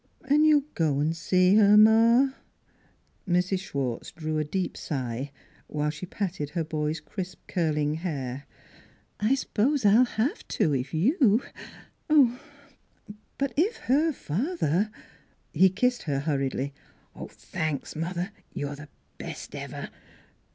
" And you'll go an' see her, ma? " Mrs. Schwartz drew a deep sigh, while she patted her boy's crisp, curling hair. " I suppose I'll have to, if you But if her father " He kissed her hurriedly. "Thanks, mother; you're the best ever.